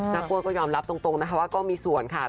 นักรวยก็ยอมรับตรงนะครับว่าก็มีส่วนค่ะ